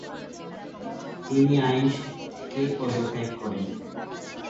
তিনি আইনসভা থেকে পদত্যাগ করেন।